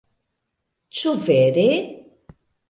Ĉu vere?...